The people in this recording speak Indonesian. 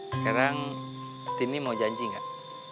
sekarang cin nih mau janji gak